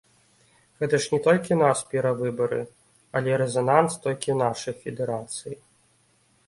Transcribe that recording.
Гэта ж не толькі ў нас перавыбары, але рэзананс толькі ў нашай федэрацыі.